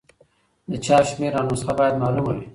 د چاپ شمېر او نسخه باید معلومه وي.